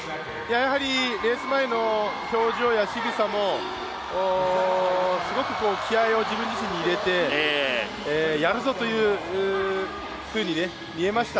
やはりレース前の表情やしぐさもすごく気合いを自分自身に入れてやるぞというふうに見えました。